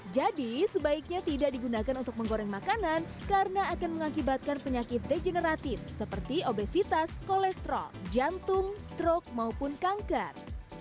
jadi sebaiknya tidak digunakan untuk menggoreng makanan karena akan mengakibatkan penyakit degeneratif seperti obesitas kolesterol jantung stroke maupun kanker